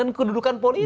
dan kedudukan politik